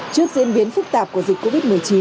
trước diễn biến phức tạp của dịch covid một mươi chín